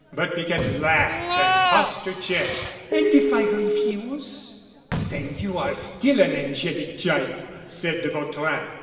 But Piquette laughed and tossed her chin. "And if I refuse?" "Then you are still an angelic child," said de Vautrin.